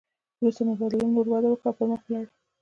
وروسته مبادلو نوره وده وکړه او پرمخ ولاړې